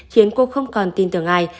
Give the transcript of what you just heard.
khiến cô không còn tin tưởng ai